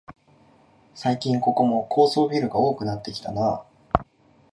最近ここも高層ビルが多くなってきたなあ